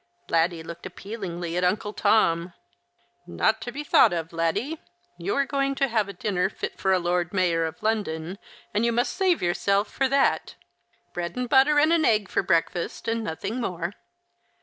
Laddie looked appealingly at Uncle Tom. " Not to be thought of, Laddie ! You are going to have a dinner fit for a Lord Mayor of London, and you must save yourself for that. Bread and butter and an egg for breakfast, and nothing more."